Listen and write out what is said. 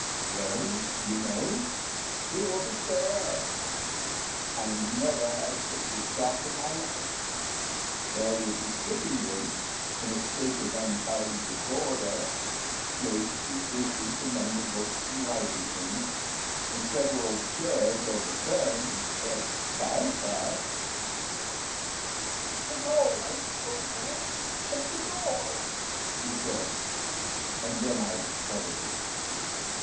Well, you know, he wasn't there! I never had such a shock in my life. There was his sitting room in a state of untidy disorder, plates and dishes among the books and writing things, and several chairs overturned, but Pyecraft "It's all right, o' man; shut the door," he said, and then I discovered him.